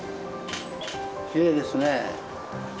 きれいですね。